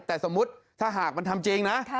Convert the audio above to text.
แต่สมมุติถ้าหากมันทำจริงนะ